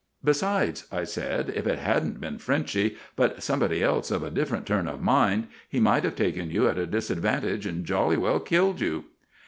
"Besides," I said, "if it hadn't been Frenchy, but somebody else of a different turn of mind, he might have taken you at a disadvantage and jolly well killed you."